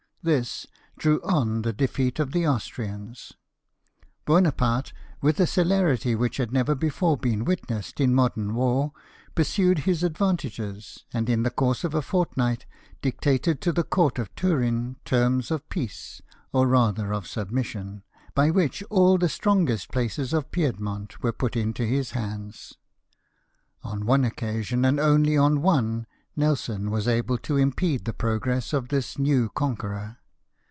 This drew on the defeat of the Austrians. Buonaparte, with a celerity which had never before been witnessed in modem war, pursued his advantages, and in the course of a fortnight dictated to the Court of Turin terms of peace, or rather of submission, by which all the strongest places of Piedmont were put into his hands. On one occasion, and only on one, Nelson was able to impede the progress of this new conqueror.